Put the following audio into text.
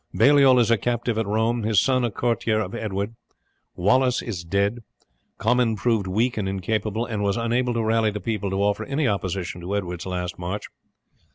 Baliol is a captive at Rome, his son a courtier of Edward. Wallace is dead. Comyn proved weak and incapable, and was unable to rally the people to offer any opposition to Edward's last march.